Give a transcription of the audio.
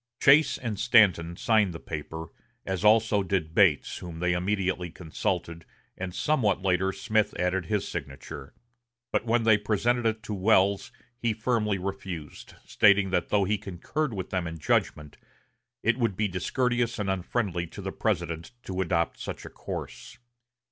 Chase and Stanton signed the paper, as also did Bates, whom they immediately consulted, and somewhat later Smith added his signature. But when they presented it to Welles, he firmly refused, stating that though he concurred with them in judgment, it would be discourteous and unfriendly to the President to adopt such a course.